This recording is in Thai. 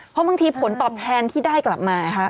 เพราะบางทีผลตอบแทนที่ได้กลับมาไงคะ